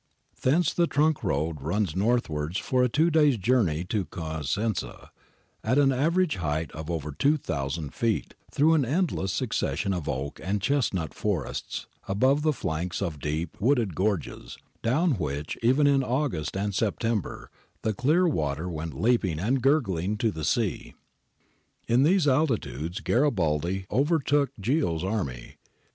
Thence the trunk road runs northwards for a two days' journey to Cosenza, at an average height of over 2000 feet, through an endless succession of oak and chestnut forests, above the flanks of deep, wooded gorges, down which even in August and September the clear water went leaping and gurgling to the sea. In these altitudes Garibaldi overtook Ghio's army.